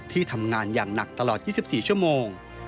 ที่ทำงานอย่างหนักตลอด๒๔ชั่วโมง